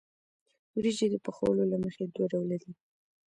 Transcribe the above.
وریجې د پخولو له مخې دوه ډوله دي.